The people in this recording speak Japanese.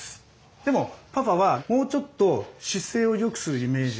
でもパパはもうちょっと姿勢をよくするイメージで。